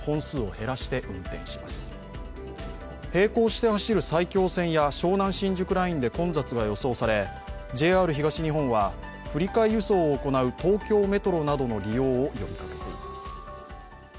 並行して走る埼京線や湘南新宿ラインで混雑が予想されＪＲ東日本は、振替輸送を行う東京メトロなどの利用を呼びかけています。